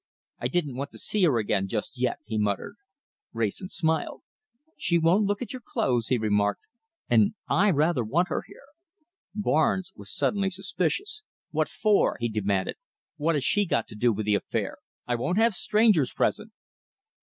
"I didn't want to see her again just yet," he muttered. Wrayson smiled. "She won't look at your clothes," he remarked, "and I rather want her here." Barnes was suddenly suspicious. "What for?" he demanded. "What has she got to do with the affair? I won't have strangers present."